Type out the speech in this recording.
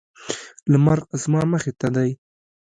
لمر زما مخې ته دی